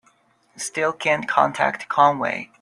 Still can't contact Conway.